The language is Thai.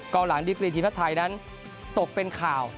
หลังดิกรีทีมชาติไทยนั้นตกเป็นข่าว